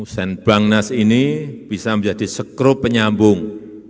senbangnas ini bisa menjadi sekrup penyambung